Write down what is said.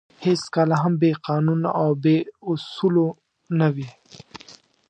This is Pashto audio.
هېڅکله هم بې قانونه او بې اُصولو نه وې.